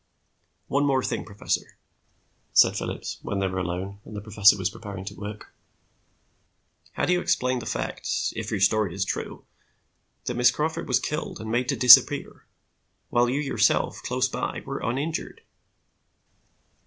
"One thing more, professor," said Phillips, when they were alone and the professor was preparing to work. "How do you explain the fact, if your story is true, that Miss Crawford was killed and made to disappear, while you yourself, close by, were uninjured?"